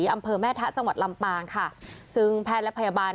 อำเภอแม่ทะจังหวัดลำปางค่ะซึ่งแพทย์และพยาบาล